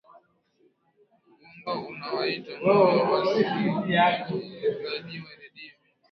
muundo unawatia moyo wasikilizaji wa redio